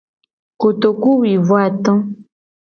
Kotoku wi vo ato.